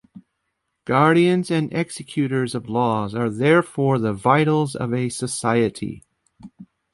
Guardians and executors of laws are therefore the vitals of a society.